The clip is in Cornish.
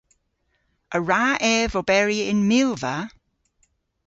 A wra ev oberi yn milva?